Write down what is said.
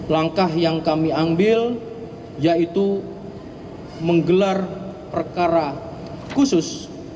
langkah yang kami ambil yaitu menggelar perkara khusus